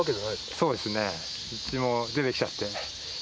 そうですねうちも出てきちゃって。